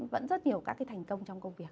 vẫn rất nhiều các cái thành công trong công việc